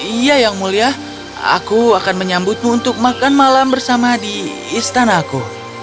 iya yang mulia aku akan menyambutmu untuk makan malam bersama di istanaku